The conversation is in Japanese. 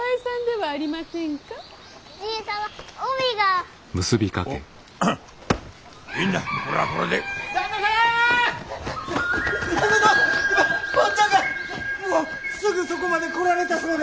もうすぐそこまで来られたそうで！